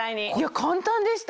簡単でした！